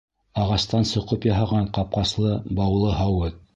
Ағастан соҡоп яһаған ҡапҡаслы, баулы һауыт.